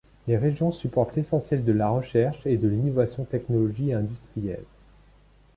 Les régions supportent l'essentiel de la recherche et de l'innovation technologiques et industrielles.